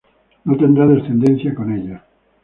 No tendrá descendencia con ella.